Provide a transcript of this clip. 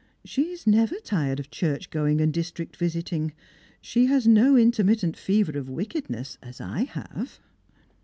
She is never tired of church going and district visiting; she has no intermittent fever of wickedness, as I have."